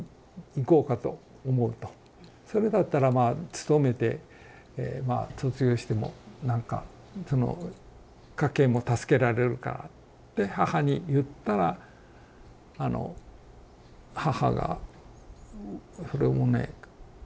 「それだったら勤めて卒業してもなんかその家計も助けられるから」って母に言ったらあの母がそれをね